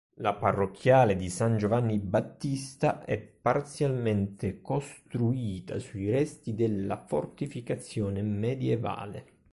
La Parrocchiale di San Giovanni Battista è parzialmente costruita sui resti della fortificazione medievale.